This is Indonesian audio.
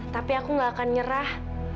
tapi aku gak akan nyerah